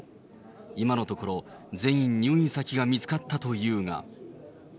今のところ、全員入院先が見つかったというが。